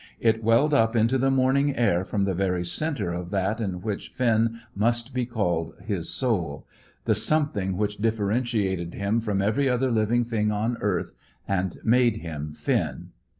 It welled up into the morning air from the very centre of that in Finn which must be called his soul the something which differentiated him from every other living thing on earth, and made him Finn.